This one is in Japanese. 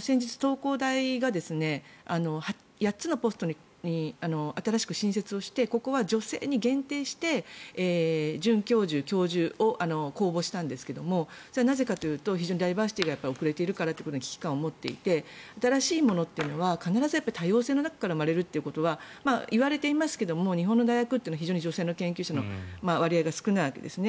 先日、東工大が８つのポストを新しく新設をしてここは女性に限定して準教授、教授を公募したんですがそれはなぜかというと非常にダイバーシティーが遅れているからということに危機感を持っていて新しいものというのは必ず多様性の中から生まれるということはいわれていますが日本の大学というのは非常に女性の大学の研究者が少ないわけですね。